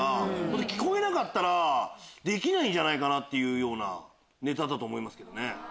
聞こえなかったらできないんじゃないかっていうネタだと思いますけどね。